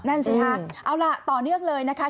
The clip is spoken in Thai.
นั่นสิคะเอาล่ะต่อเนื่องเลยนะคะ